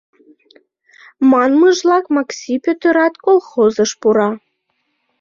Манмыжлак, Макси Пӧтырат колхозыш пура.